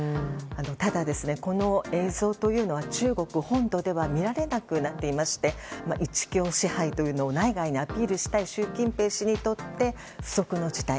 ただ、この映像というのは中国本土では見られなくなっていまして一強支配というのを内外にアピールしたい習近平氏にとって不測の事態。